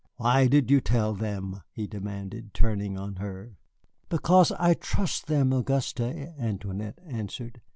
"Why did you tell them?" he demanded, turning on her. "Because I trust them, Auguste," Antoinette answered.